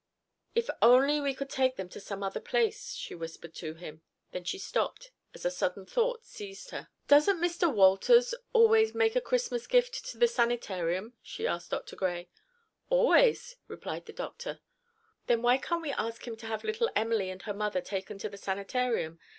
"If we only could take them to some other place," she whispered to him. Then she stopped, as a sudden thought seized her. "Doesn't Mr. Wolters always make a Christmas gift to the sanitarium?" she asked Dr. Gray. "Always," replied the doctor. "Then why can't we ask him to have little Emily and her mother taken to the sanitarium?